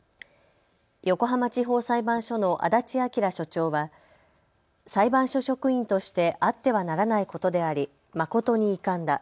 横浜地方裁判所の足立哲所長は裁判所職員としてあってはならないことであり誠に遺憾だ。